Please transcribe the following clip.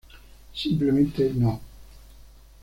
Simplemente no.